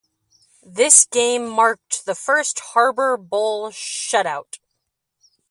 This game marked the first Harbor Bowl shutout.